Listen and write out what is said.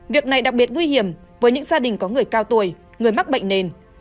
việc này đặc biệt nguy hiểm với những gia đình có người cao tuổi người mắc bệnh nền